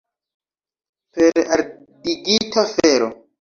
Per ardigita fero!